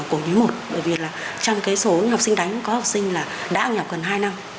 cổ như một bởi vì trong số học sinh đánh có học sinh đã học gần hai năm